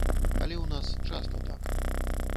Але ў нас часта так.